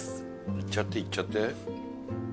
いっちゃっていっちゃって。